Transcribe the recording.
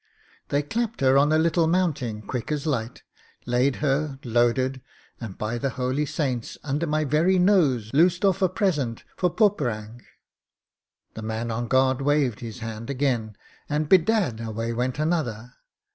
'They clapped her on a little mounting quick as light, laid her, loaded, and, by the holy saints! under my very nose, loosed off a present for Poperinghe. The man on guard waved his hand again, and bedad ! away went another.